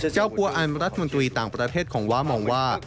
กลัวอันรัฐมนตรีต่างประเทศของว้ามองว่า